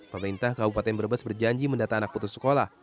pemerintah kabupaten brebes berjanji mendata anak putus sekolah